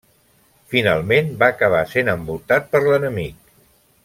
Finalment va acabar sent envoltat per l'enemic.